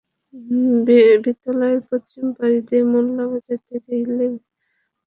বিদ্যালয়ের পশ্চিম পাশ দিয়ে মোল্লা বাজার থেকে হিলি যাওয়ার পাকা সড়ক।